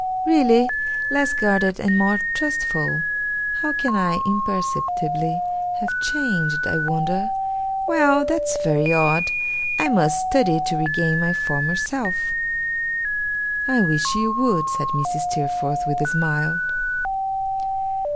Really? Less guarded and more trustful? How can I, imperceptibly, have changed, I wonder! Well, that's very odd! I must study to regain my former self.' 'I wish you would,' said Mrs. Steerforth, with a smile.